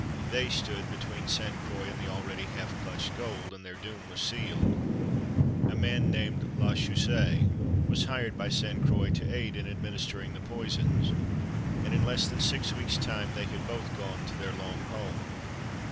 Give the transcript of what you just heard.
They stood between Sainte Croix and the already half clutched gold, and their doom was sealed. A man, named La Chaussée, was hired by Sainte Croix to aid in administering the poisons; and, in less than six weeks time, they had both gone to their long home.